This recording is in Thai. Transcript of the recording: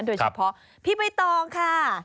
โดยเฉพาะพี่ใบตองค่ะ